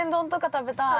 ◆食べたい。